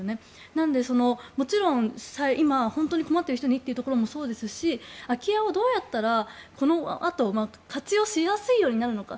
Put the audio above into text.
なので、もちろん今本当に困っている人にというところもそうですし空き家をどうやったら、このあと活用しやすいようになるのか。